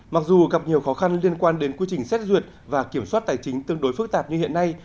mặc dù gặp nhiều khó khăn liên quan đến quy trình xét duyệt và kiểm soát tài chính tương đối phức tạp như hiện nay